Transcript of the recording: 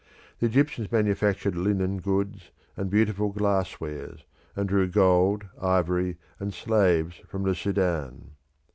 The Egyptians manufactured linen goods, and beautiful glass wares, and drew gold, ivory, and slaves from the Sudan.